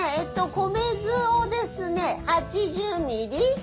米酢をですね８０ミリ。